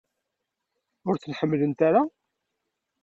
Ur ten-ḥemmlent ara?